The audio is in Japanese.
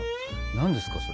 何ですかそれ？